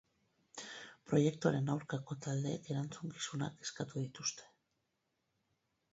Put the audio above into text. Proiektuaren aurkako taldeek erantzukizunak eskatu dituzte.